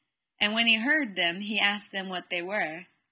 And when he heard them he asked them what they were.